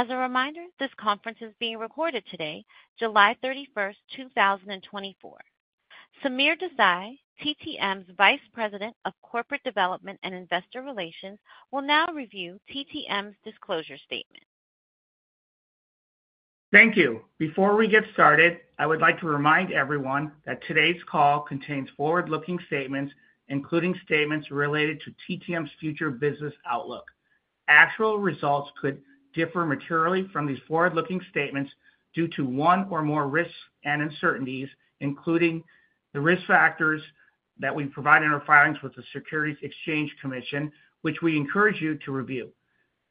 As a reminder, this conference is being recorded today, July 31st, 2024. Sameer Desai, TTM's Vice President of Corporate Development and Investor Relations, will now review TTM's disclosure statement. Thank you. Before we get started, I would like to remind everyone that today's call contains forward-looking statements, including statements related to TTM's future business outlook. Actual results could differ materially from these forward-looking statements due to one or more risks and uncertainties, including the risk factors that we provide in our filings with the Securities and Exchange Commission, which we encourage you to review.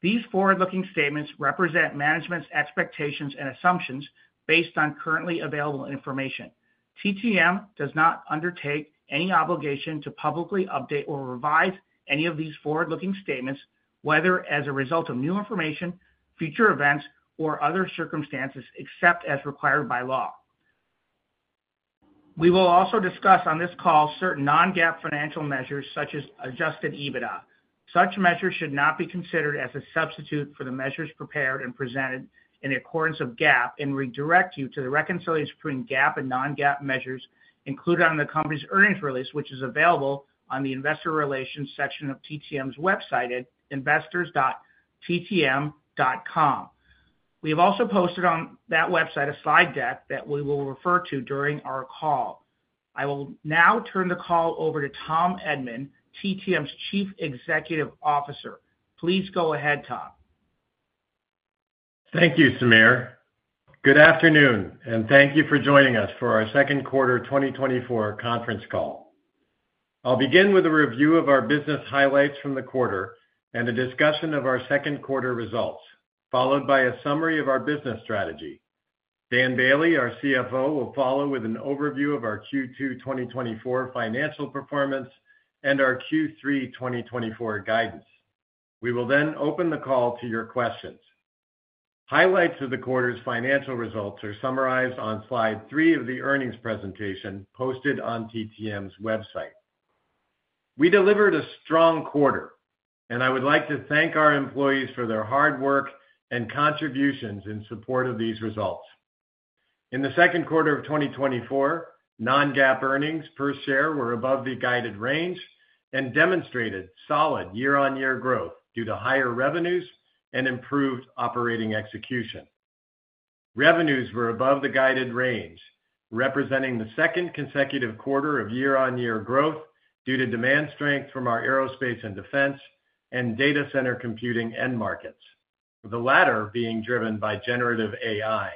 These forward-looking statements represent management's expectations and assumptions based on currently available information. TTM does not undertake any obligation to publicly update or revise any of these forward-looking statements, whether as a result of new information, future events, or other circumstances except as required by law. We will also discuss on this call certain non-GAAP financial measures, such as adjusted EBITDA. Such measures should not be considered as a substitute for the measures prepared and presented in accordance with GAAP and redirect you to the reconciliation between GAAP and non-GAAP measures included on the company's earnings release, which is available on the Investor Relations section of TTM's website at investors.ttm.com. We have also posted on that website a slide deck that we will refer to during our call. I will now turn the call over to Tom Edman, TTM's Chief Executive Officer. Please go ahead, Tom. Thank you, Sameer. Good afternoon, and thank you for joining us for our second quarter 2024 conference call. I'll begin with a review of our business highlights from the quarter and a discussion of our second quarter results, followed by a summary of our business strategy. Dan Boehle, our CFO, will follow with an overview of our Q2 2024 financial performance and our Q3 2024 guidance. We will then open the call to your questions. Highlights of the quarter's financial results are summarized on slide 3 of the earnings presentation posted on TTM's website. We delivered a strong quarter, and I would like to thank our employees for their hard work and contributions in support of these results. In the second quarter of 2024, non-GAAP earnings per share were above the guided range and demonstrated solid year-on-year growth due to higher revenues and improved operating execution. Revenues were above the guided range, representing the second consecutive quarter of year-over-year growth due to demand strength from our aerospace and defense and data center computing end markets, the latter being driven by generative AI.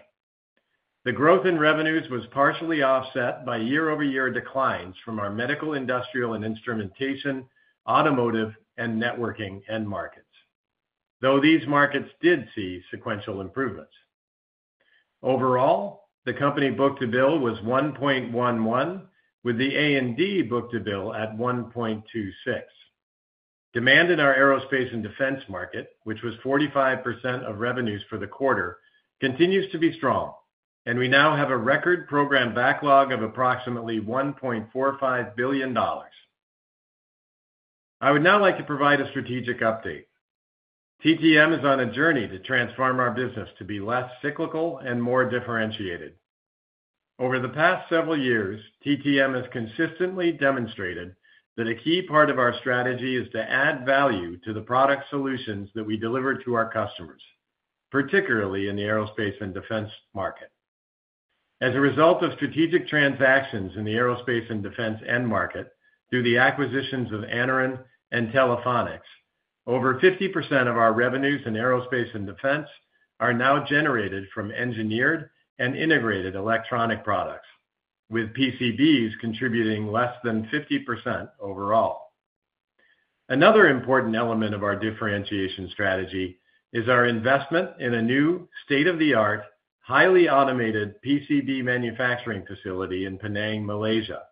The growth in revenues was partially offset by year-over-year declines from our medical, industrial, and instrumentation, automotive, and networking end markets, though these markets did see sequential improvements. Overall, the company book-to-bill was 1.11, with the A&D book-to-bill at 1.26. Demand in our aerospace and defense market, which was 45% of revenues for the quarter, continues to be strong, and we now have a record program backlog of approximately $1.45 billion. I would now like to provide a strategic update. TTM is on a journey to transform our business to be less cyclical and more differentiated. Over the past several years, TTM has consistently demonstrated that a key part of our strategy is to add value to the product solutions that we deliver to our customers, particularly in the aerospace and defense market. As a result of strategic transactions in the aerospace and defense end market through the acquisitions of Anaren and Telephonics, over 50% of our revenues in aerospace and defense are now generated from engineered and integrated electronic products, with PCBs contributing less than 50% overall. Another important element of our differentiation strategy is our investment in a new state-of-the-art, highly automated PCB manufacturing facility in Penang, Malaysia,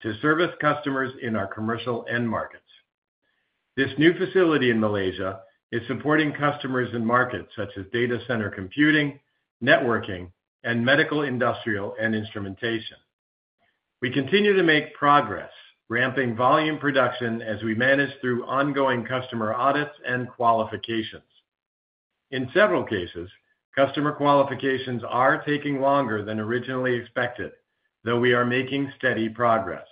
to service customers in our commercial end markets. This new facility in Malaysia is supporting customers in markets such as data center computing, networking, and medical, industrial, and instrumentation. We continue to make progress, ramping volume production as we manage through ongoing customer audits and qualifications. In several cases, customer qualifications are taking longer than originally expected, though we are making steady progress.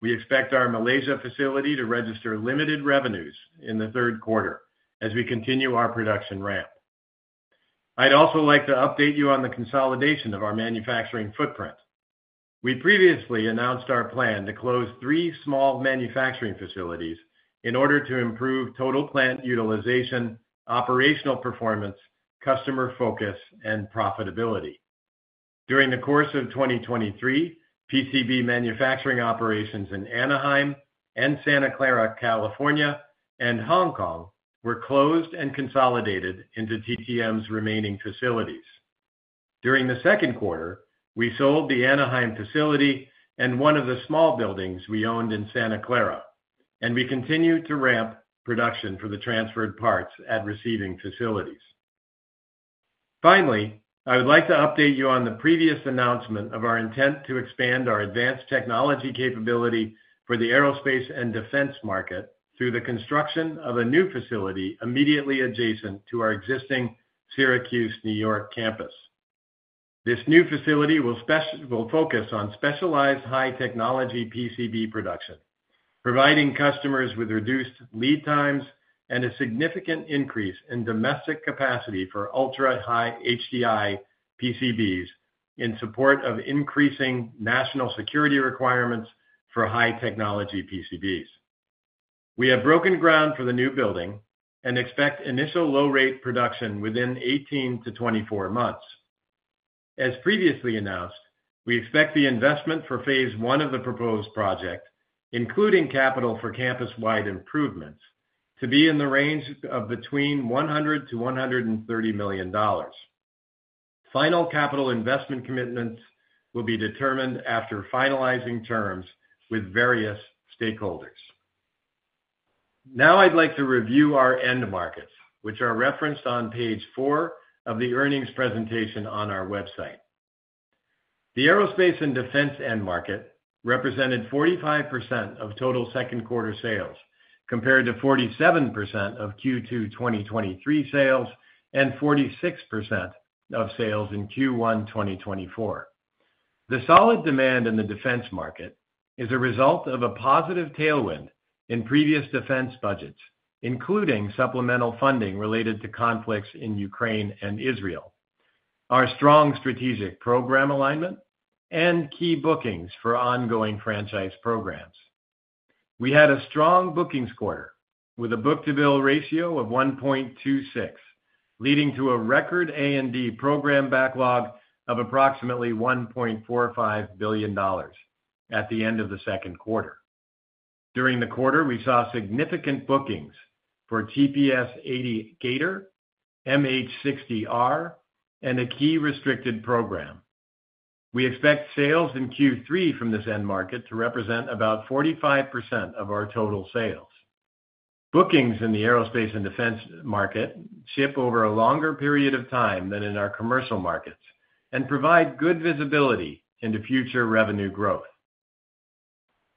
We expect our Malaysia facility to register limited revenues in the third quarter as we continue our production ramp. I'd also like to update you on the consolidation of our manufacturing footprint. We previously announced our plan to close three small manufacturing facilities in order to improve total plant utilization, operational performance, customer focus, and profitability. During the course of 2023, PCB manufacturing operations in Anaheim and Santa Clara, California, and Hong Kong were closed and consolidated into TTM's remaining facilities. During the second quarter, we sold the Anaheim facility and one of the small buildings we owned in Santa Clara, and we continue to ramp production for the transferred parts at receiving facilities. Finally, I would like to update you on the previous announcement of our intent to expand our advanced technology capability for the aerospace and defense market through the construction of a new facility immediately adjacent to our existing Syracuse, New York campus. This new facility will focus on specialized high-technology PCB production, providing customers with reduced lead times and a significant increase in domestic capacity for ultra-high HDI PCBs in support of increasing national security requirements for high-technology PCBs. We have broken ground for the new building and expect initial low-rate production within 18 to 24 months. As previously announced, we expect the investment for phase I of the proposed project, including capital for campus-wide improvements, to be in the range of between $100million-$130 million. Final capital investment commitments will be determined after finalizing terms with various stakeholders. Now I'd like to review our end markets, which are referenced on page four of the earnings presentation on our website. The aerospace and defense end market represented 45% of total second quarter sales, compared to 47% of Q2 2023 sales and 46% of sales in Q1 2024. The solid demand in the defense market is a result of a positive tailwind in previous defense budgets, including supplemental funding related to conflicts in Ukraine and Israel, our strong strategic program alignment, and key bookings for ongoing franchise programs. We had a strong bookings quarter with a book-to-bill ratio of 1.26, leading to a record A&D program backlog of approximately $1.45 billion at the end of the second quarter. During the quarter, we saw significant bookings for TPS-80 G/ATOR, MH-60R, and a key restricted program. We expect sales in Q3 from this end market to represent about 45% of our total sales. Bookings in the aerospace and defense market ship over a longer period of time than in our commercial markets and provide good visibility into future revenue growth.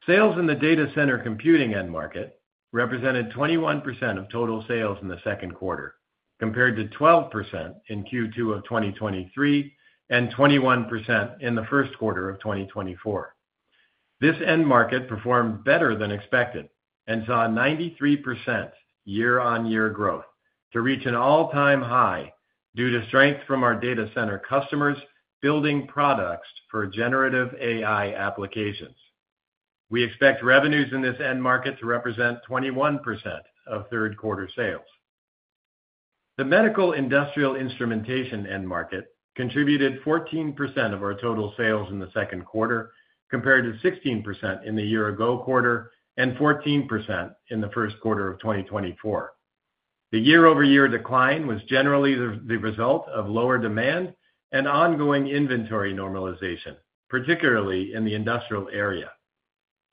Sales in the data center computing end market represented 21% of total sales in the second quarter, compared to 12% in Q2 of 2023 and 21% in the first quarter of 2024. This end market performed better than expected and saw 93% year-over-year growth to reach an all-time high due to strength from our data center customers building products for generative AI applications. We expect revenues in this end market to represent 21% of third quarter sales. The medical, industrial, instrumentation end market contributed 14% of our total sales in the second quarter, compared to 16% in the year-ago quarter and 14% in the first quarter of 2024. The year-over-year decline was generally the result of lower demand and ongoing inventory normalization, particularly in the industrial area.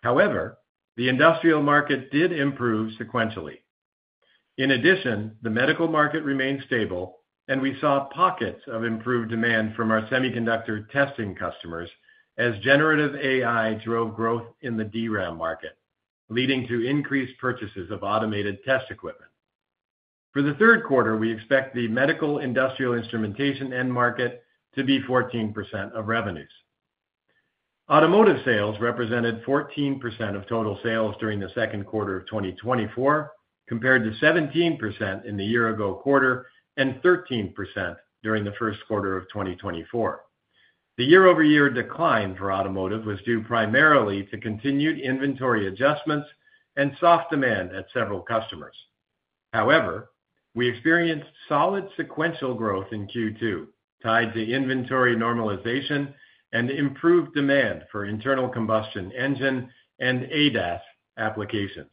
However, the industrial market did improve sequentially. In addition, the medical market remained stable, and we saw pockets of improved demand from our semiconductor testing customers as generative AI drove growth in the DRAM market, leading to increased purchases of automated test equipment. For the third quarter, we expect the medical, industrial, instrumentation end market to be 14% of revenues. Automotive sales represented 14% of total sales during the second quarter of 2024, compared to 17% in the year-ago quarter and 13% during the first quarter of 2024. The year-over-year decline for automotive was due primarily to continued inventory adjustments and soft demand at several customers. However, we experienced solid sequential growth in Q2 tied to inventory normalization and improved demand for internal combustion engine and ADAS applications.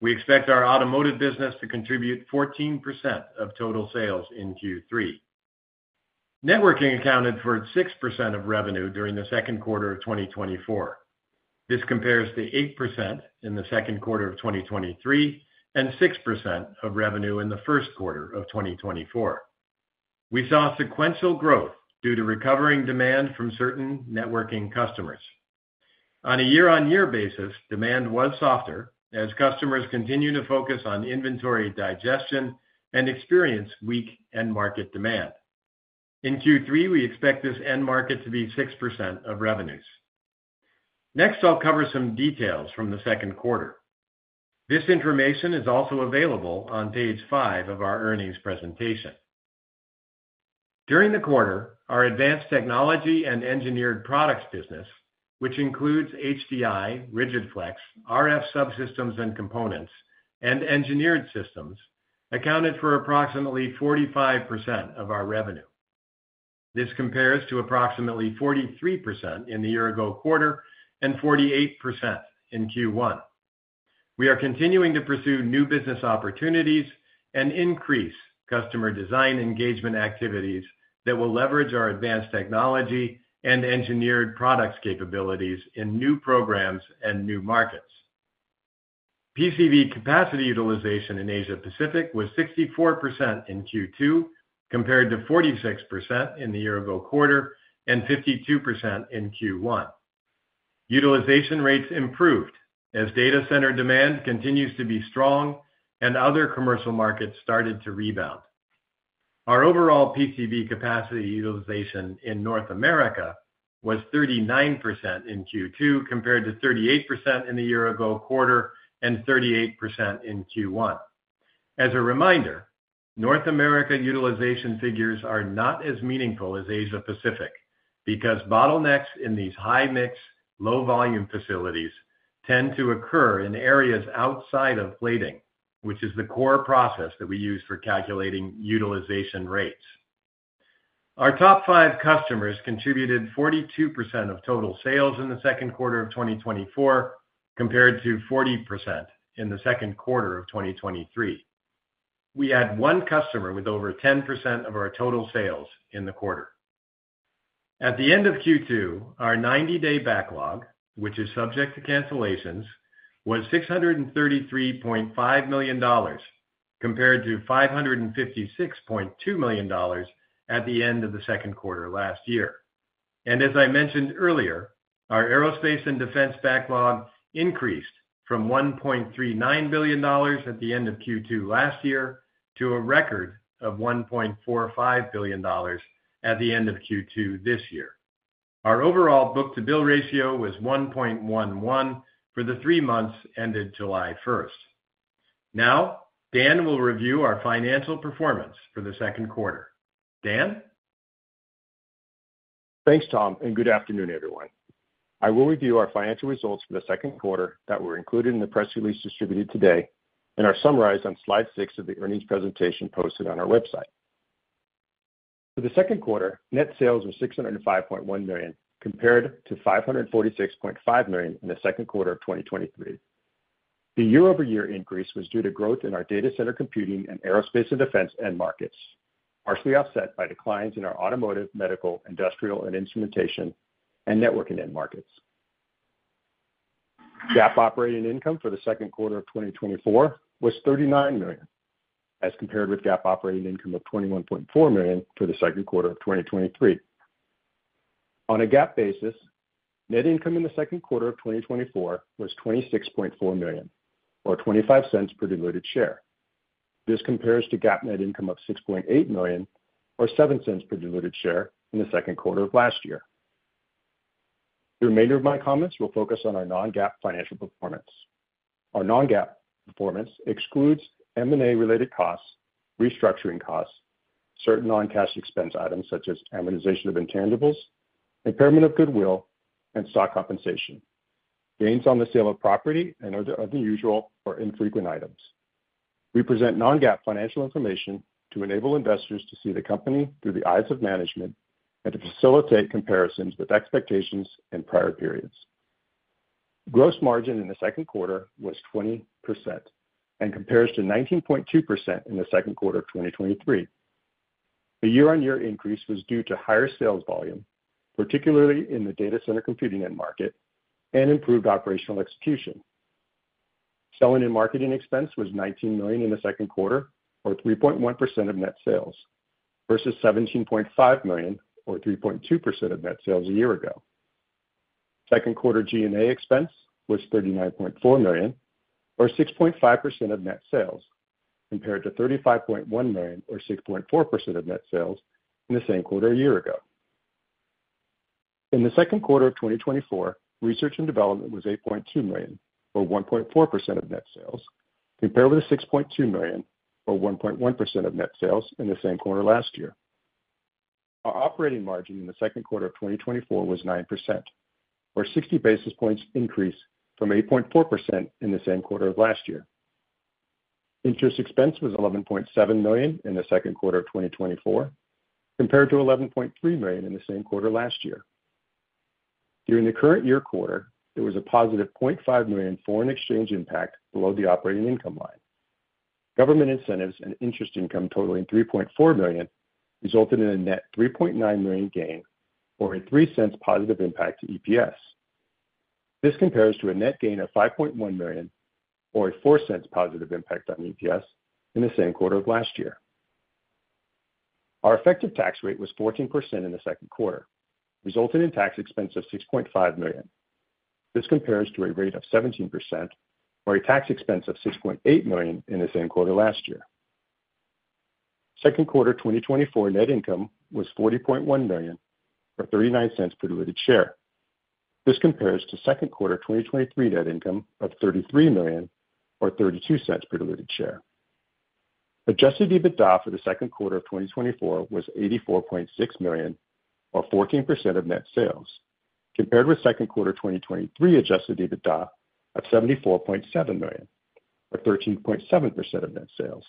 We expect our automotive business to contribute 14% of total sales in Q3. Networking accounted for 6% of revenue during the second quarter of 2024. This compares to 8% in the second quarter of 2023 and 6% of revenue in the first quarter of 2024. We saw sequential growth due to recovering demand from certain networking customers. On a year-on-year basis, demand was softer as customers continued to focus on inventory digestion and experience weak end market demand. In Q3, we expect this end market to be 6% of revenues. Next, I'll cover some details from the second quarter. This information is also available on page 5 of our earnings presentation. During the quarter, our advanced technology and engineered products business, which includes HDI, rigid-flex, RF subsystems and components, and engineered systems, accounted for approximately 45% of our revenue. This compares to approximately 43% in the year-ago quarter and 48% in Q1. We are continuing to pursue new business opportunities and increase customer design engagement activities that will leverage our advanced technology and engineered products capabilities in new programs and new markets. PCB capacity utilization in Asia-Pacific was 64% in Q2, compared to 46% in the year-ago quarter and 52% in Q1. Utilization rates improved as data center demand continues to be strong and other commercial markets started to rebound. Our overall PCB capacity utilization in North America was 39% in Q2, compared to 38% in the year-ago quarter and 38% in Q1. As a reminder, North America utilization figures are not as meaningful as Asia-Pacific because bottlenecks in these high-mix, low-volume facilities tend to occur in areas outside of plating, which is the core process that we use for calculating utilization rates. Our top five customers contributed 42% of total sales in the second quarter of 2024, compared to 40% in the second quarter of 2023. We had one customer with over 10% of our total sales in the quarter. At the end of Q2, our 90-day backlog, which is subject to cancellations, was $633.5 million, compared to $556.2 million at the end of the second quarter last year. As I mentioned earlier, our aerospace and defense backlog increased from $1.39 billion at the end of Q2 last year to a record of $1.45 billion at the end of Q2 this year. Our overall book-to-bill ratio was 1.11 for the three months ended July 1st. Now, Dan will review our financial performance for the second quarter. Dan? Thanks, Tom, and good afternoon, everyone. I will review our financial results for the second quarter that were included in the press release distributed today and are summarized on slide six of the earnings presentation posted on our website. For the second quarter, net sales were $605.1 million, compared to $546.5 million in the second quarter of 2023. The year-over-year increase was due to growth in our data center computing and aerospace and defense end markets, partially offset by declines in our automotive, medical, industrial, and instrumentation and networking end markets. GAAP operating income for the second quarter of 2024 was $39 million, as compared with GAAP operating income of $21.4 million for the second quarter of 2023. On a GAAP basis, net income in the second quarter of 2024 was $26.4 million, or $0.25 per diluted share. This compares to GAAP net income of $6.8 million, or $0.07 per diluted share in the second quarter of last year. The remainder of my comments will focus on our non-GAAP financial performance. Our non-GAAP performance excludes M&A-related costs, restructuring costs, certain non-cash expense items such as amortization of intangibles, impairment of goodwill, and stock compensation, gains on the sale of property, and other unusual or infrequent items. We present non-GAAP financial information to enable investors to see the company through the eyes of management and to facilitate comparisons with expectations in prior periods. Gross margin in the second quarter was 20% and compares to 19.2% in the second quarter of 2023. A year-on-year increase was due to higher sales volume, particularly in the data center computing end market, and improved operational execution. Selling and marketing expense was $19 million in the second quarter, or 3.1% of net sales, versus $17.5 million, or 3.2% of net sales a year ago. Second quarter G&A expense was $39.4 million, or 6.5% of net sales, compared to $35.1 million, or 6.4% of net sales in the same quarter a year ago. In the second quarter of 2024, research and development was $8.2 million, or 1.4% of net sales, compared with $6.2 million, or 1.1% of net sales in the same quarter last year. Our operating margin in the second quarter of 2024 was 9%, or 60 basis points increase from 8.4% in the same quarter of last year. Interest expense was $11.7 million in the second quarter of 2024, compared to $11.3 million in the same quarter last year. During the current year quarter, there was a positive $0.5 million foreign exchange impact below the operating income line. Government incentives and interest income totaling $3.4 million resulted in a net $3.9 million gain, or a $0.03 positive impact to EPS. This compares to a net gain of $5.1 million, or a $0.04 positive impact on EPS in the same quarter of last year. Our effective tax rate was 14% in the second quarter, resulting in tax expense of $6.5 million. This compares to a rate of 17%, or a tax expense of $6.8 million in the same quarter last year. Second quarter 2024 net income was $40.1 million, or $0.39 per diluted share. This compares to second quarter 2023 net income of $33 million, or $0.32 per diluted share. Adjusted EBITDA for the second quarter of 2024 was $84.6 million, or 14% of net sales, compared with second quarter 2023 adjusted EBITDA of $74.7 million, or 13.7% of net sales.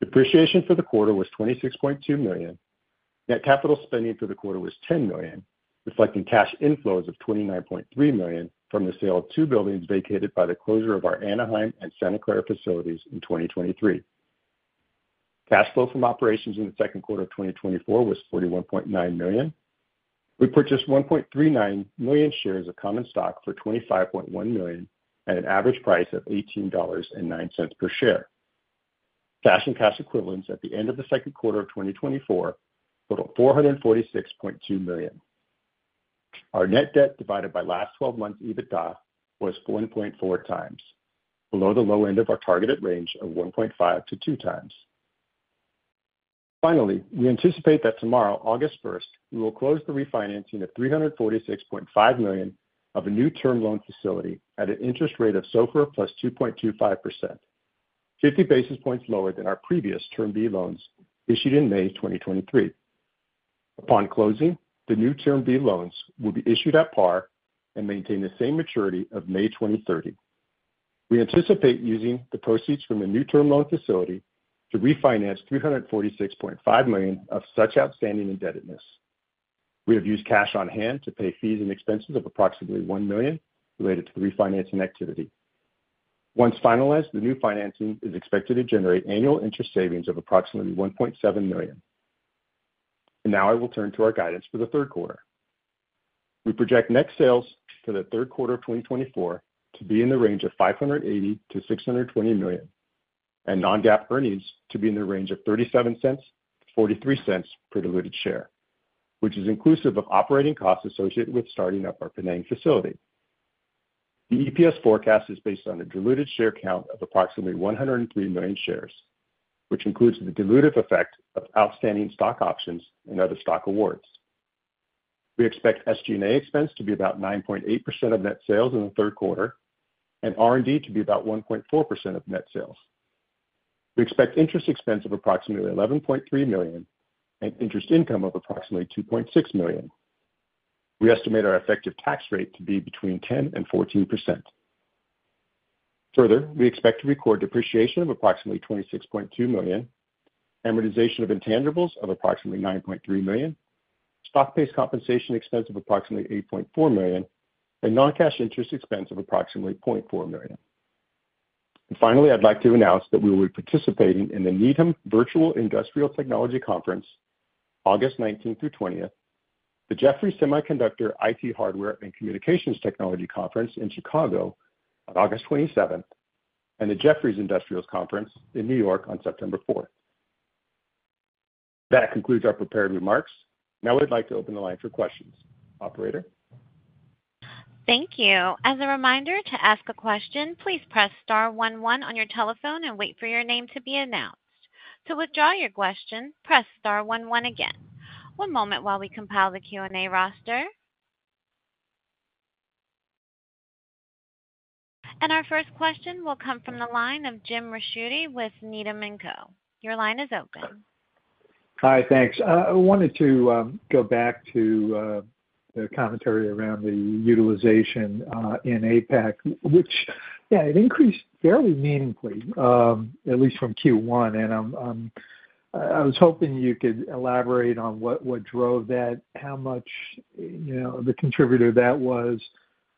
Depreciation for the quarter was $26.2 million. Net capital spending for the quarter was $10 million, reflecting cash inflows of $29.3 million from the sale of two buildings vacated by the closure of our Anaheim and Santa Clara facilities in 2023. Cash flow from operations in the second quarter of 2024 was $41.9 million. We purchased 1.39 million shares of common stock for $25.1 million at an average price of $18.09 per share. Cash and cash equivalents at the end of the second quarter of 2024 totaled $446.2 million. Our net debt divided by last 12 months' EBITDA was 1.4x, below the low end of our targeted range of 1.5x-2x. Finally, we anticipate that tomorrow, August 1st, we will close the refinancing of $346.5 million of a new term loan facility at an interest rate of SOFR plus 2.25%, 50 basis points lower than our previous Term B loans issued in May 2023. Upon closing, the new Term B loans will be issued at par and maintain the same maturity of May 2030. We anticipate using the proceeds from the new term loan facility to refinance $346.5 million of such outstanding indebtedness. We have used cash on hand to pay fees and expenses of approximately $1 million related to the refinancing activity. Once finalized, the new financing is expected to generate annual interest savings of approximately $1.7 million. Now I will turn to our guidance for the third quarter. We project net sales for the third quarter of 2024 to be in the range of $580 million-$620 million, and non-GAAP earnings to be in the range of $0.37-$0.43 per diluted share, which is inclusive of operating costs associated with starting up our financing facility. The EPS forecast is based on a diluted share count of approximately 103 million shares, which includes the dilutive effect of outstanding stock options and other stock awards. We expect SG&A expense to be about 9.8% of net sales in the third quarter, and R&D to be about 1.4% of net sales. We expect interest expense of approximately $11.3 million and interest income of approximately $2.6 million. We estimate our effective tax rate to be between 10%-14%. Further, we expect to record depreciation of approximately $26.2 million, amortization of intangibles of approximately $9.3 million, stock-based compensation expense of approximately $8.4 million, and non-cash interest expense of approximately $0.4 million. And finally, I'd like to announce that we will be participating in the Needham Virtual Industrial Technology Conference, August 19th through 20th, the Jefferies Semiconductor IT Hardware and Communications Technology Conference in Chicago on August 27th, and the Jefferies Industrials Conference in New York on September 4th. That concludes our prepared remarks. Now I'd like to open the line for questions. Operator? Thank you. As a reminder, to ask a question, please press star one one on your telephone and wait for your name to be announced. To withdraw your question, press star one one again. One moment while we compile the Q&A roster. And our first question will come from the line of Jim Ricchiuti with Needham & Co. Your line is open. Hi, thanks. I wanted to go back to the commentary around the utilization in APAC, which, yeah, it increased fairly meaningfully, at least from Q1. And I was hoping you could elaborate on what drove that, how much of a contributor that was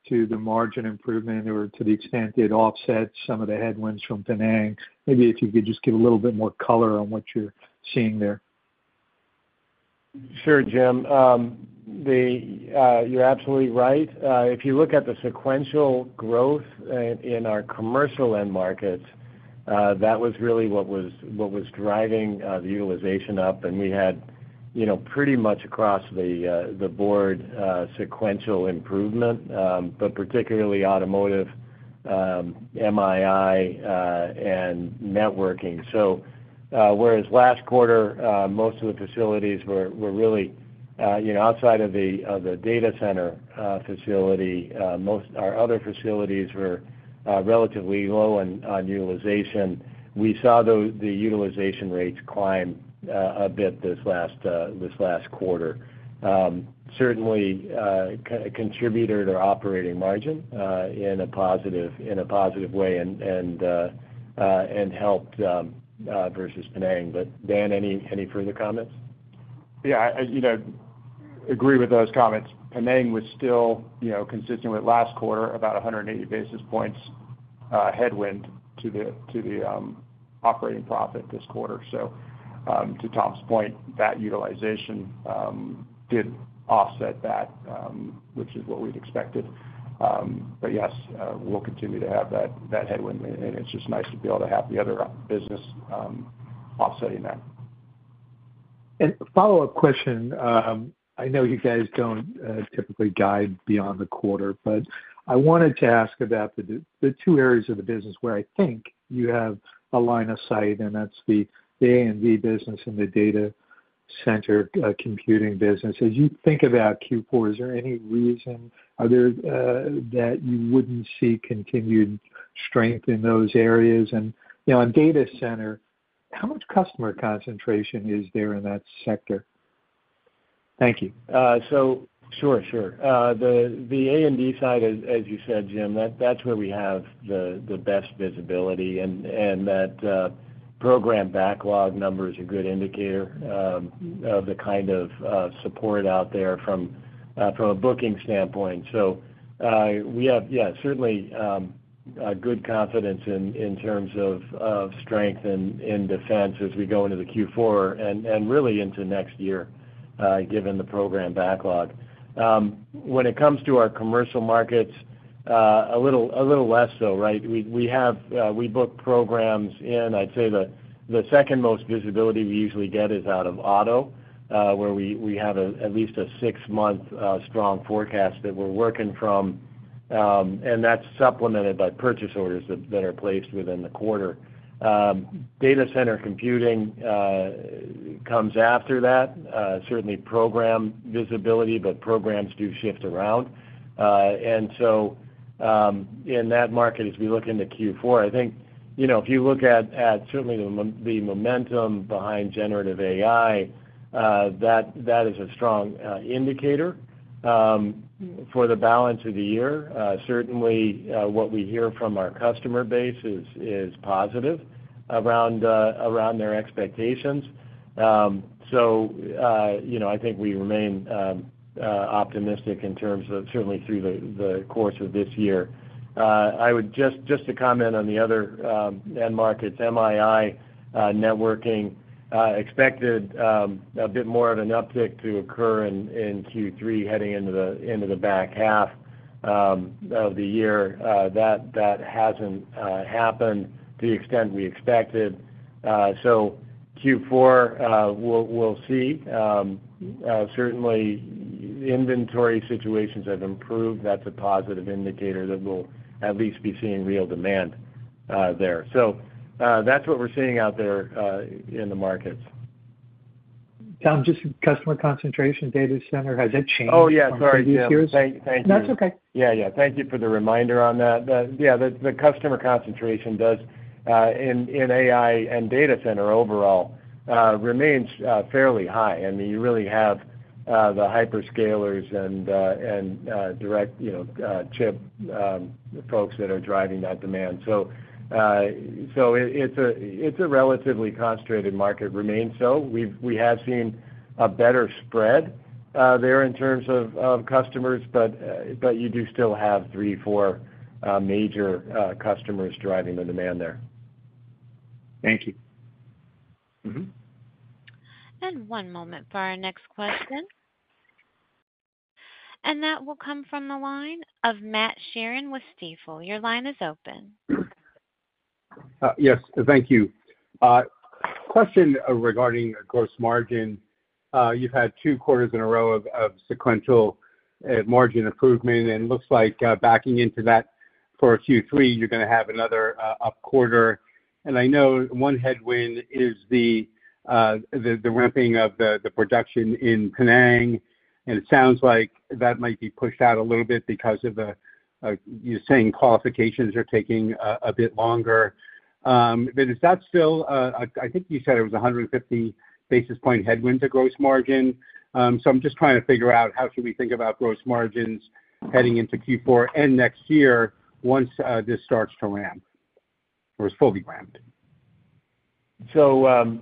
to the margin improvement or to the extent it offsets some of the headwinds from financing. Maybe if you could just give a little bit more color on what you're seeing there. Sure, Jim. You're absolutely right. If you look at the sequential growth in our commercial end markets, that was really what was driving the utilization up. And we had pretty much across the board sequential improvement, but particularly automotive, MII, and networking. So whereas last quarter, most of the facilities were really outside of the data center facility, our other facilities were relatively low on utilization. We saw the utilization rates climb a bit this last quarter. Certainly, contributed our operating margin in a positive way and helped versus financing. But Dan, any further comments? Yeah, I agree with those comments. Financing was still consistent with last quarter, about 180 basis points headwind to the operating profit this quarter. So to Tom's point, that utilization did offset that, which is what we'd expected. But yes, we'll continue to have that headwind. And it's just nice to be able to have the other business offsetting that. And follow-up question. I know you guys don't typically guide beyond the quarter, but I wanted to ask about the two areas of the business where I think you have a line of sight, and that's the A&D business and the data center computing business. As you think about Q4, is there any reason that you wouldn't see continued strength in those areas? And on data center, how much customer concentration is there in that sector? Thank you. So sure, sure. The A&D side, as you said, Jim, that's where we have the best visibility. And that program backlog number is a good indicator of the kind of support out there from a booking standpoint. So we have, yeah, certainly good confidence in terms of strength in defense as we go into the Q4 and really into next year, given the program backlog. When it comes to our commercial markets, a little less so, right? We book programs in. I'd say the second most visibility we usually get is out of auto, where we have at least a six-month strong forecast that we're working from, and that's supplemented by purchase orders that are placed within the quarter. Data center computing comes after that, certainly program visibility, but programs do shift around. And so in that market, as we look into Q4, I think if you look at certainly the momentum behind generative AI, that is a strong indicator for the balance of the year. Certainly, what we hear from our customer base is positive around their expectations. So I think we remain optimistic in terms of certainly through the course of this year. I would just to comment on the other end markets, MII, networking, expected a bit more of an uptick to occur in Q3 heading into the back half of the year. That hasn't happened to the extent we expected. So Q4, we'll see. Certainly, inventory situations have improved. That's a positive indicator that we'll at least be seeing real demand there. So that's what we're seeing out there in the markets. Tom, just customer concentration, data center, has that changed in these years? Oh, yeah. Sorry. Thank you. That's okay. Yeah, yeah. Thank you for the reminder on that. Yeah, the customer concentration does in AI and data center overall remains fairly high. I mean, you really have the hyperscalers and direct chip folks that are driving that demand. So it's a relatively concentrated market, remains so. We have seen a better spread there in terms of customers, but you do still have three, four major customers driving the demand there. Thank you. And one moment for our next question. That will come from the line of Matt Sheerin with Stifel. Your line is open. Yes, thank you. Question regarding gross margin. You've had two quarters in a row of sequential margin improvement, and it looks like backing into that for Q3, you're going to have another up quarter. I know one headwind is the ramping of the production in Penang. It sounds like that might be pushed out a little bit because of the, you're saying, qualifications are taking a bit longer. But is that still, I think you said it was 150 basis points headwind to gross margin. So I'm just trying to figure out how should we think about gross margins heading into Q4 and next year once this starts to ramp or is fully ramped? So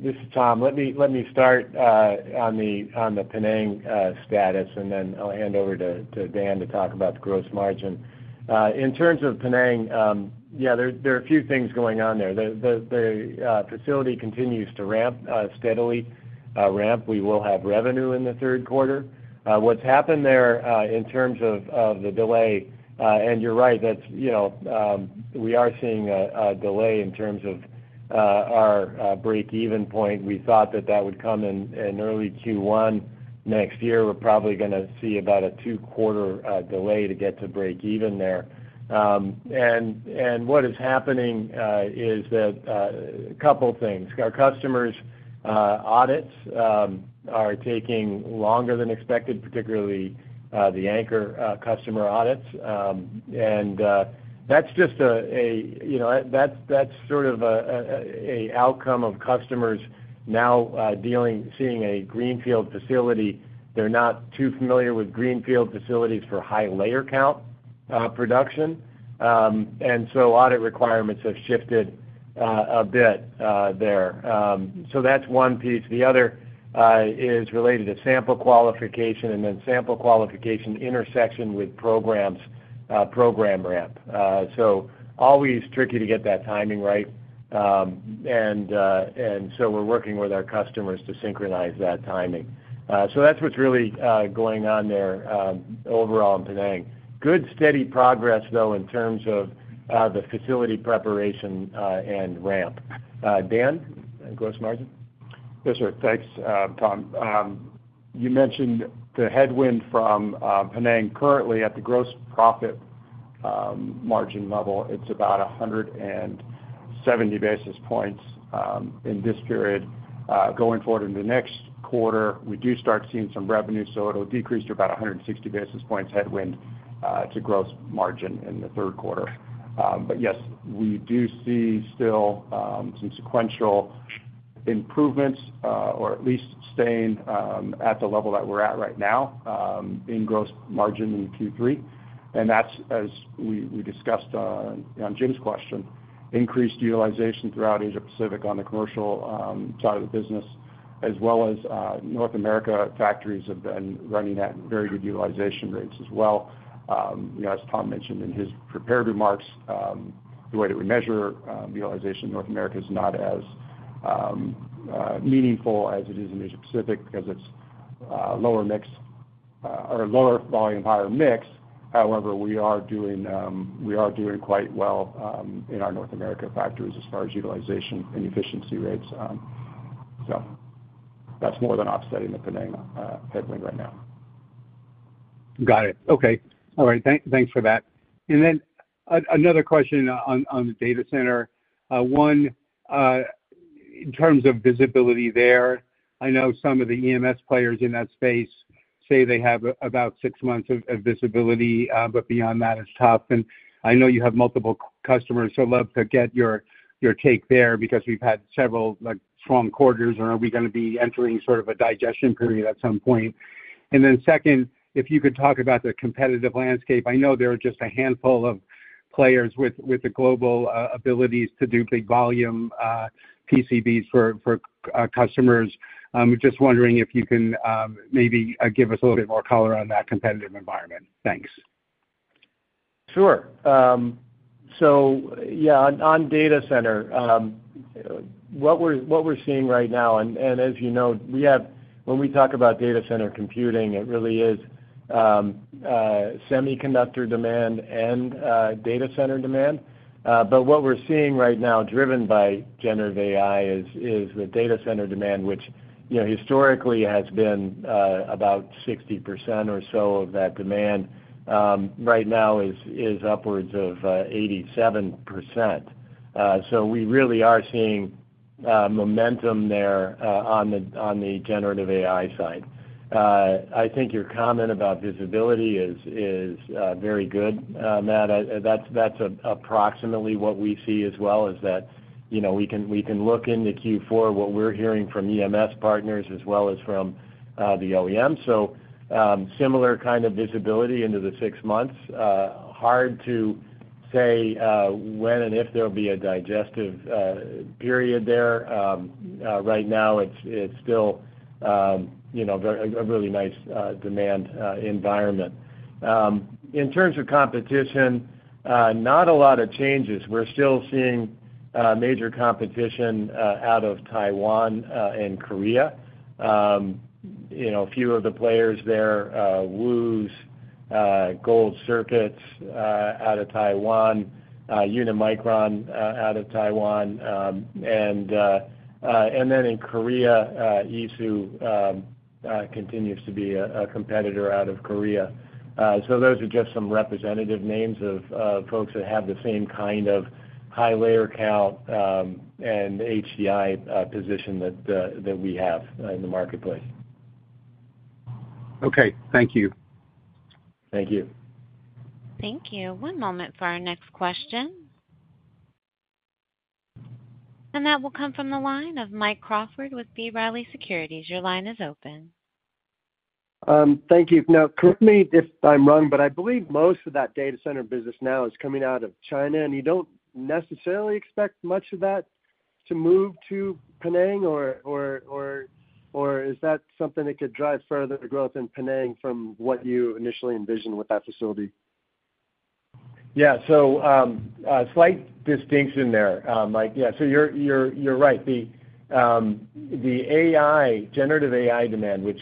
this is Tom. Let me start on the Penang status, and then I'll hand over to Dan to talk about the gross margin. In terms of Penang, yeah, there are a few things going on there. The facility continues to ramp steadily. We will have revenue in the third quarter. What's happened there in terms of the delay, and you're right, we are seeing a delay in terms of our break-even point. We thought that that would come in early Q1 next year. We're probably going to see about a 2-quarter delay to get to break-even there. And what is happening is that a couple of things. Our customers' audits are taking longer than expected, particularly the anchor customer audits. And that's just a, that's sort of an outcome of customers now seeing a greenfield facility. They're not too familiar with greenfield facilities for high layer count production. Audit requirements have shifted a bit there. That's one piece. The other is related to sample qualification and then sample qualification intersection with program ramp. Always tricky to get that timing right. We're working with our customers to synchronize that timing. That's what's really going on there overall in Penang. Good steady progress, though, in terms of the facility preparation and ramp. Dan and gross margin? Yes, sir. Thanks, Tom. You mentioned the headwind from Penang currently at the gross profit margin level. It's about 170 basis points in this period. Going forward in the next quarter, we do start seeing some revenue, so it'll decrease to about 160 basis points headwind to gross margin in the third quarter. But yes, we do see still some sequential improvements or at least staying at the level that we're at right now in gross margin in Q3. And that's, as we discussed on Jim's question, increased utilization throughout Asia-Pacific on the commercial side of the business, as well as North America factories have been running at very good utilization rates as well. As Tom mentioned in his prepared remarks, the way that we measure utilization in North America is not as meaningful as it is in Asia-Pacific because it's lower mix or lower volume, higher mix. However, we are doing quite well in our North America factories as far as utilization and efficiency rates. So that's more than offsetting the Penang headwind right now. Got it. Okay. All right. Thanks for that. And then another question on the data center. One, in terms of visibility there, I know some of the EMS players in that space say they have about six months of visibility, but beyond that, it's tough. And I know you have multiple customers, so I'd love to get your take there because we've had several strong quarters, or are we going to be entering sort of a digestion period at some point? And then second, if you could talk about the competitive landscape. I know there are just a handful of players with the global abilities to do big volume PCBs for customers. I'm just wondering if you can maybe give us a little bit more color on that competitive environment. Thanks. Sure. So yeah, on data center, what we're seeing right now, and as you know, when we talk about data center computing, it really is semiconductor demand and data center demand. But what we're seeing right now, driven by generative AI, is the data center demand, which historically has been about 60% or so of that demand. Right now, it is upwards of 87%. So we really are seeing momentum there on the generative AI side. I think your comment about visibility is very good, Matt. That's approximately what we see as well, is that we can look into Q4, what we're hearing from EMS partners, as well as from the OEM. So similar kind of visibility into the six months. Hard to say when and if there'll be a digestive period there. Right now, it's still a really nice demand environment. In terms of competition, not a lot of changes. We're still seeing major competition out of Taiwan and Korea. A few of the players there, WUS, Gold Circuit out of Taiwan, Unimicron out of Taiwan. And then in Korea, ISU continues to be a competitor out of Korea. So those are just some representative names of folks that have the same kind of high layer count and HDI position that we have in the marketplace. Okay. Thank you. Thank you. Thank you. One moment for our next question. And that will come from the line of Mike Crawford with B. Riley Securities. Your line is open. Thank you. Now, correct me if I'm wrong, but I believe most of that data center business now is coming out of China. And you don't necessarily expect much of that to move to Penang, or is that something that could drive further growth in Penang from what you initially envisioned with that facility? Yeah. So slight distinction there. Yeah. So you're right. The generative AI demand, which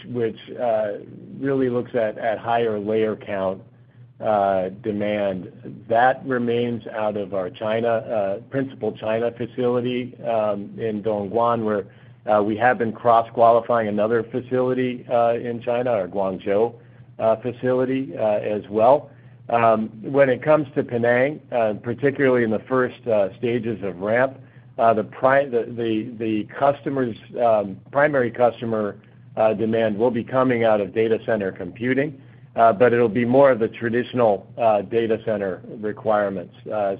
really looks at higher layer count demand, that remains out of our principal China facility in Dongguan, where we have been cross-qualifying another facility in China, our Guangzhou facility as well. When it comes to Penang, particularly in the first stages of ramp, the primary customer demand will be coming out of data center computing, but it'll be more of the traditional data center requirements.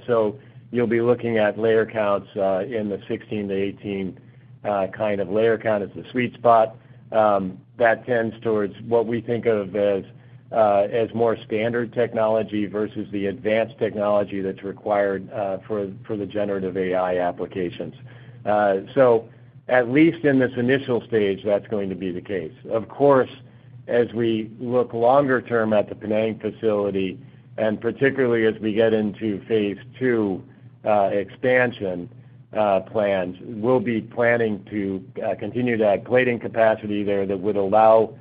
So you'll be looking at layer counts in the 16-18 kind of layer count as the sweet spot. That tends towards what we think of as more standard technology versus the advanced technology that's required for the generative AI applications. So at least in this initial stage, that's going to be the case. Of course, as we look longer term at the Penang facility, and particularly as we get into phase two expansion plans, we'll be planning to continue to add plating capacity there that would allow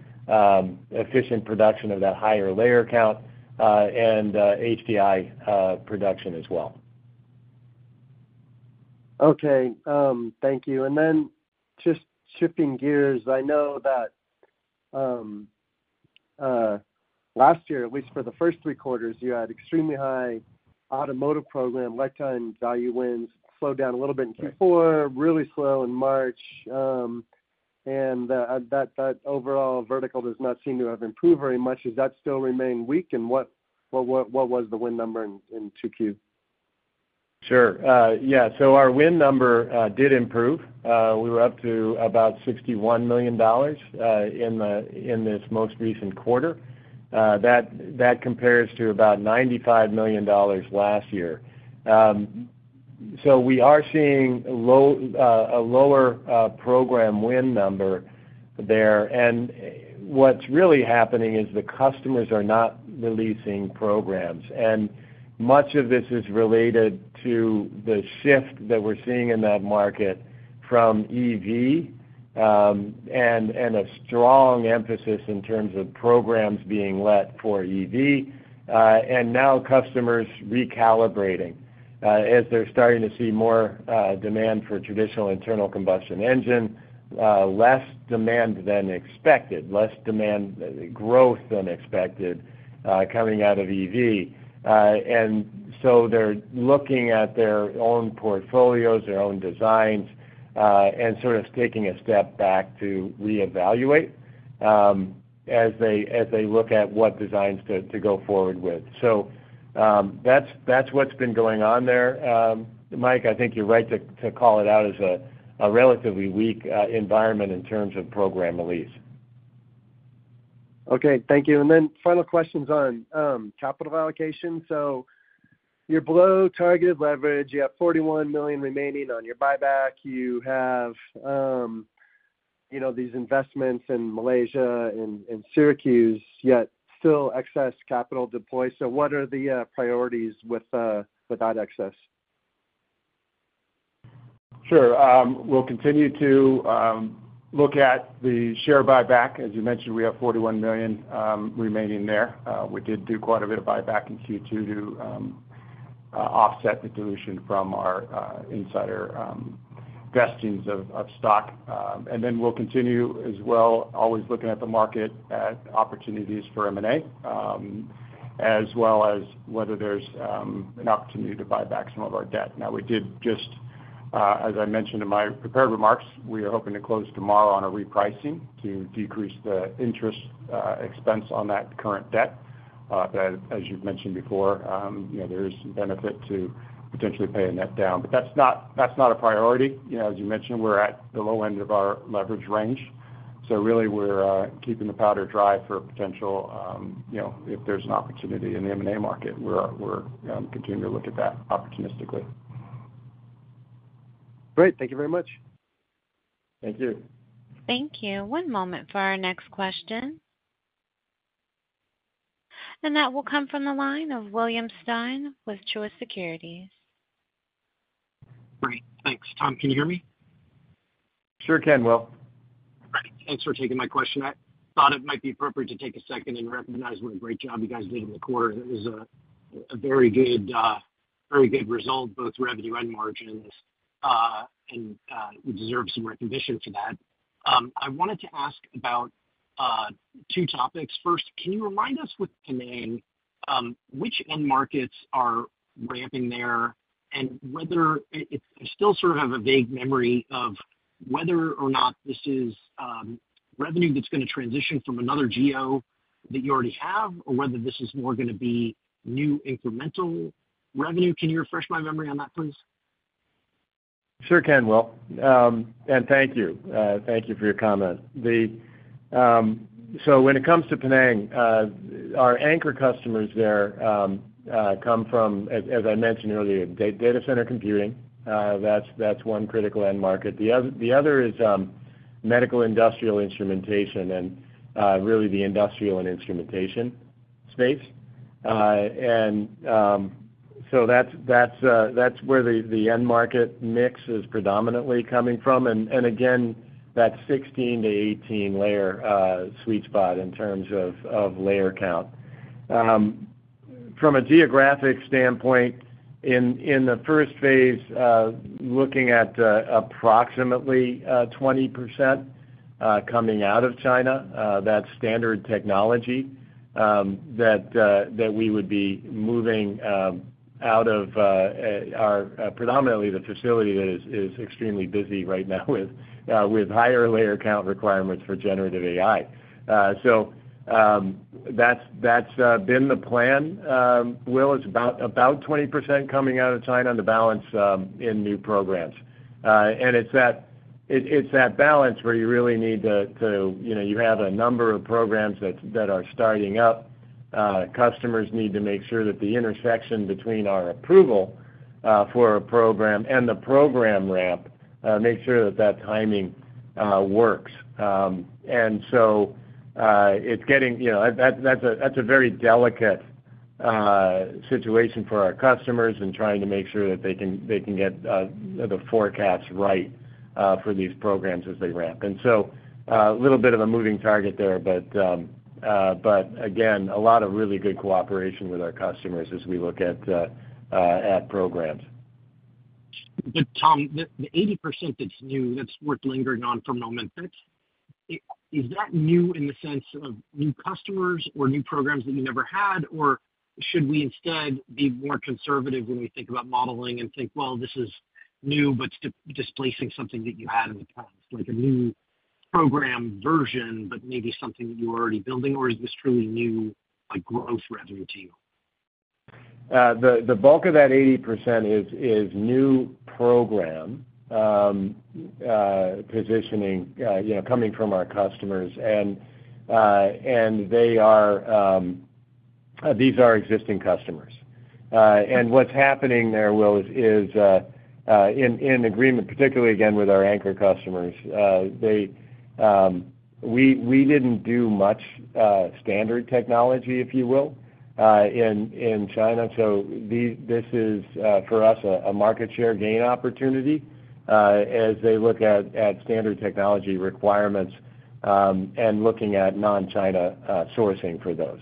efficient production of that higher layer count and HDI production as well. Okay. Thank you. And then just shifting gears, I know that last year, at least for the first three quarters, you had extremely high automotive program lifetime value wins slowed down a little bit in Q4, really slow in March. And that overall vertical does not seem to have improved very much. Does that still remain weak? And what was the win number in Q2? Sure. Yeah. So our win number did improve. We were up to about $61 million in this most recent quarter. That compares to about $95 million last year. So we are seeing a lower program win number there. What's really happening is the customers are not releasing programs. Much of this is related to the shift that we're seeing in that market from EV and a strong emphasis in terms of programs being let for EV. Now customers recalibrating as they're starting to see more demand for traditional internal combustion engine, less demand than expected, less demand growth than expected coming out of EV. So they're looking at their own portfolios, their own designs, and sort of taking a step back to reevaluate as they look at what designs to go forward with. So that's what's been going on there. Mike, I think you're right to call it out as a relatively weak environment in terms of program release. Okay. Thank you. Then final questions on capital allocation. So you're below targeted leverage. You have $41 million remaining on your buyback. You have these investments in Malaysia and Syracuse, yet still excess capital deployed. So what are the priorities with that excess? Sure. We'll continue to look at the share buyback. As you mentioned, we have $41 million remaining there. We did do quite a bit of buyback in Q2 to offset the dilution from our insider vestings of stock. And then we'll continue as well, always looking at the market at opportunities for M&A, as well as whether there's an opportunity to buy back some of our debt. Now, we did just, as I mentioned in my prepared remarks, we are hoping to close tomorrow on a repricing to decrease the interest expense on that current debt. As you've mentioned before, there is some benefit to potentially paying that down. But that's not a priority. As you mentioned, we're at the low end of our leverage range. So really, we're keeping the powder dry for potential if there's an opportunity in the M&A market. We're continuing to look at that opportunistically. Great. Thank you very much. Thank you. Thank you. One moment for our next question. And that will come from the line of William Stein with Truist Securities. Great. Thanks. Tom, can you hear me? Sure can, Will. Thanks for taking my question. I thought it might be appropriate to take a second and recognize what a great job you guys did in the quarter. It was a very good result, both revenue and margins. And we deserve some recognition for that. I wanted to ask about two topics. First, can you remind us with Penang which end markets are ramping there and whether I still sort of have a vague memory of whether or not this is revenue that's going to transition from another GO that you already have, or whether this is more going to be new incremental revenue? Can you refresh my memory on that, please? Sure can, Will. And thank you. Thank you for your comment. So when it comes to Penang, our anchor customers there come from, as I mentioned earlier, data center computing. That's one critical end market. The other is medical industrial instrumentation and really the industrial and instrumentation space. And so that's where the end market mix is predominantly coming from. And again, that 16-18 layer sweet spot in terms of layer count. From a geographic standpoint, in the first phase, looking at approximately 20% coming out of China, that's standard technology that we would be moving out of our predominantly the facility that is extremely busy right now with higher layer count requirements for generative AI. So that's been the plan, Will. It's about 20% coming out of China on the balance in new programs. And it's that balance where you really need to you have a number of programs that are starting up. Customers need to make sure that the intersection between our approval for a program and the program ramp make sure that that timing works. And so that's a very delicate situation for our customers and trying to make sure that they can get the forecasts right for these programs as they ramp. And so a little bit of a moving target there. But again, a lot of really good cooperation with our customers as we look at programs. Tom, the 80% that's new, that's worth lingering on for a moment, is that new in the sense of new customers or new programs that you never had, or should we instead be more conservative when we think about modeling and think, "Well, this is new, but it's displacing something that you had in the past," like a new program version, but maybe something that you were already building, or is this truly new growth revenue to you? The bulk of that 80% is new program positioning coming from our customers. And these are existing customers. And what's happening there, Will, is in agreement, particularly again with our anchor customers. We didn't do much standard technology, if you will, in China. So this is, for us, a market share gain opportunity as they look at standard technology requirements and looking at non-China sourcing for those.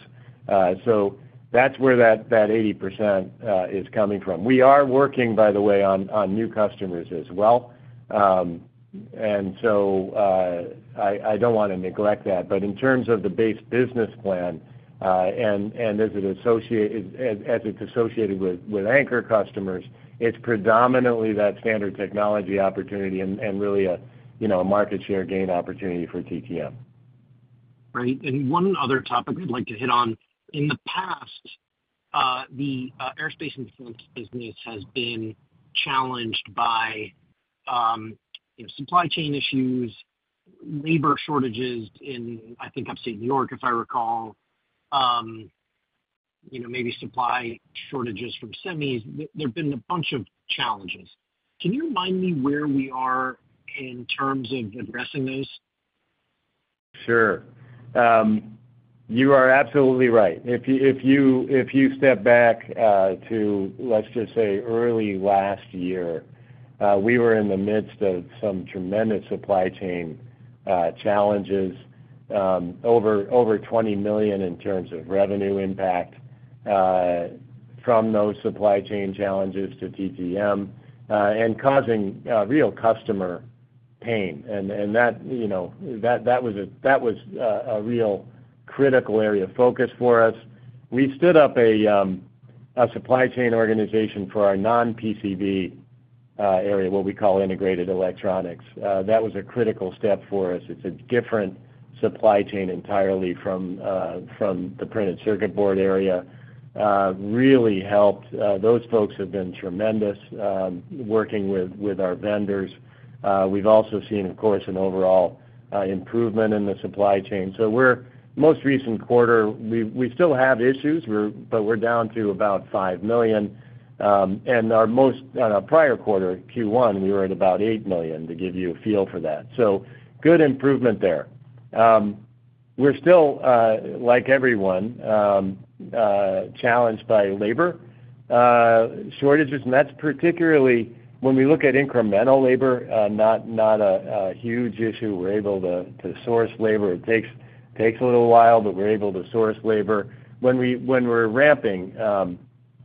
So that's where that 80% is coming from. We are working, by the way, on new customers as well. And so I don't want to neglect that. But in terms of the base business plan and as it's associated with anchor customers, it's predominantly that standard technology opportunity and really a market share gain opportunity for TTM. Right. One other topic I'd like to hit on. In the past, the aerospace and defense business has been challenged by supply chain issues, labor shortages in, I think, upstate New York, if I recall, maybe supply shortages from semis. There've been a bunch of challenges. Can you remind me where we are in terms of addressing those? Sure. You are absolutely right. If you step back to, let's just say, early last year, we were in the midst of some tremendous supply chain challenges, over $20 million in terms of revenue impact from those supply chain challenges to TTM and causing real customer pain. And that was a real critical area of focus for us. We stood up a supply chain organization for our non-PCB area, what we call integrated electronics. That was a critical step for us. It's a different supply chain entirely from the printed circuit board area. Really helped. Those folks have been tremendous working with our vendors. We've also seen, of course, an overall improvement in the supply chain. So we're most recent quarter, we still have issues, but we're down to about $5 million. And our prior quarter, Q1, we were at about $8 million to give you a feel for that. So good improvement there. We're still, like everyone, challenged by labor shortages. That's particularly when we look at incremental labor, not a huge issue. We're able to source labor. It takes a little while, but we're able to source labor. When we're ramping,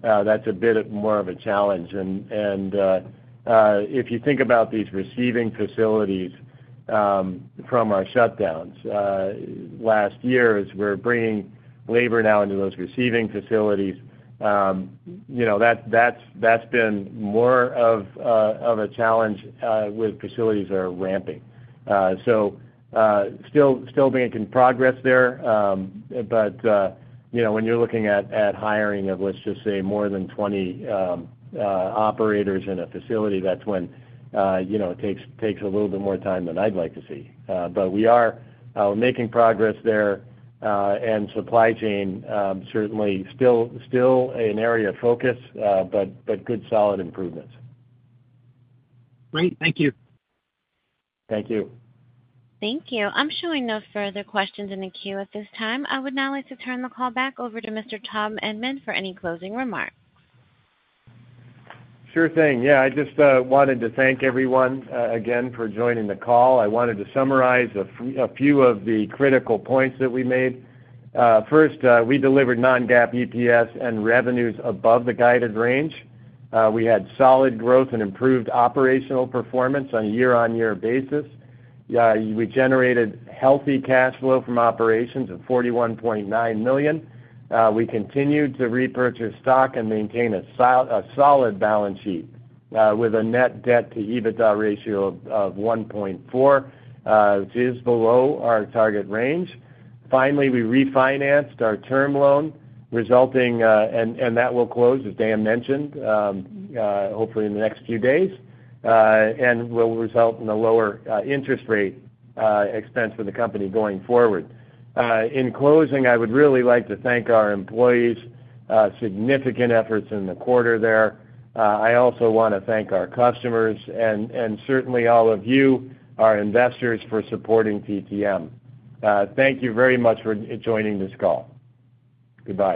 that's a bit more of a challenge. If you think about these receiving facilities from our shutdowns last year, as we're bringing labor now into those receiving facilities, that's been more of a challenge with facilities that are ramping. Still making progress there. But when you're looking at hiring of, let's just say, more than 20 operators in a facility, that's when it takes a little bit more time than I'd like to see. We are making progress there. Supply chain, certainly, still an area of focus, but good solid improvements. Great. Thank you. Thank you. Thank you. I'm showing no further questions in the queue at this time. I would now like to turn the call back over to Mr. Tom Edman for any closing remarks. Sure thing. Yeah. I just wanted to thank everyone again for joining the call. I wanted to summarize a few of the critical points that we made. First, we delivered non-GAAP EPS and revenues above the guided range. We had solid growth and improved operational performance on a year-over-year basis. We generated healthy cash flow from operations of $41.9 million. We continued to repurchase stock and maintain a solid balance sheet with a net debt-to-EBITDA ratio of 1.4, which is below our target range. Finally, we refinanced our term loan, resulting in that we'll close, as Dan mentioned, hopefully in the next few days, and will result in a lower interest rate expense for the company going forward. In closing, I would really like to thank our employees, significant efforts in the quarter there. I also want to thank our customers and certainly all of you, our investors, for supporting TTM. Thank you very much for joining this call. Goodbye.